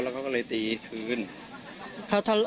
แล้วเขาก็เลยตีคืน